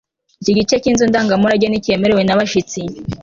iki gice cyinzu ndangamurage nticyemewe nabashyitsi